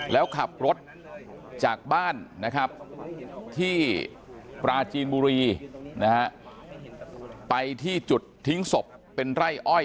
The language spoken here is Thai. แล้วขับรถจากบ้านนะครับที่ปราจีนบุรีนะฮะไปที่จุดทิ้งศพเป็นไร่อ้อย